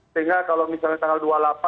sehingga kalau misalnya tanggal dua puluh delapan